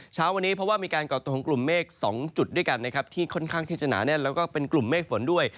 เช้าวันนี้เพราะว่ามีการก่อตัวของกลุ่มเมฆ๒จุดด้วยกันนะครับที่ค่อนข้างที่จะหนาแน่นแล้วก็เป็นกลุ่มเมฆฝนด้วย